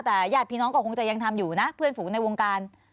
แต่ญาติพี่น้องก็คงจะยังทำอยู่นะเพื่อนฝูงในวงการ